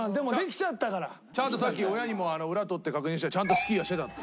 ちゃんとさっき親にも裏取って確認したら「ちゃんとスキーはしてた」って。